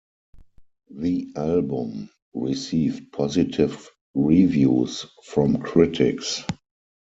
The album received positive reviews from critics.